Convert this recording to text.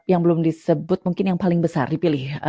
yang belum disebut mungkin yang paling besar dipilih